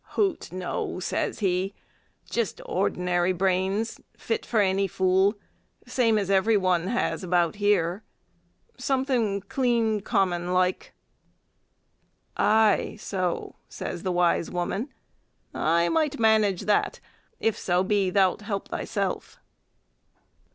"Hout no," says he, "jist ordinary brains fit for any fool same as every one has about here; something clean common like." "Aye so," says the wise woman, "I might manage that, if so be thou 'lt help thyself."